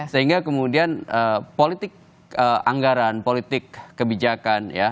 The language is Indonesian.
sehingga kemudian politik anggaran politik kebijakan ya